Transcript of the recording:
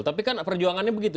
tapi kan perjuangannya begitu